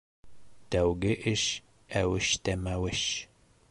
Тәүге эш әүеш тә мәүеш.